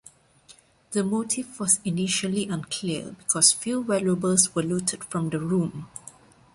The motive was initially unclear because few valuables were looted from the room.